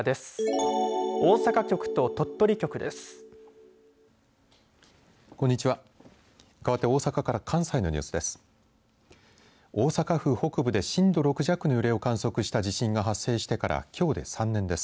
大阪府北部で震度６弱の揺れを観測した地震が発生してからきょうで３年です。